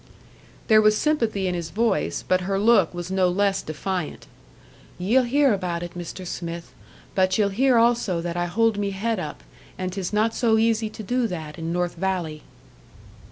There was sympathy in his voice; but her look was no less defiant. "Ye'll hear about it, Mr. Smith; but ye'll hear also that I hold me head up. And 'tis not so easy to do that in North Valley."